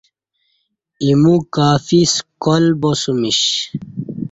ایمو کافی سکال باسمش